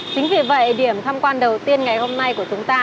chính vì vậy điểm tham quan đầu tiên ngày hôm nay của chúng ta